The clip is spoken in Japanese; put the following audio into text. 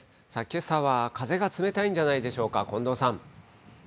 けさは風が冷たいんじゃないでしょうか。